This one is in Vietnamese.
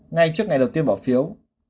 ngay trước ngày đầu tiên bỏ phiếu